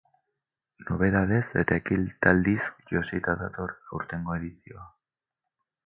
Nobedadez eta ekitaldiz josita dator aurtengo edizioa.